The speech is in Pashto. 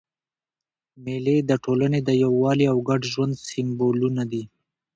مېلې د ټولني د یووالي او ګډ ژوند سېمبولونه دي.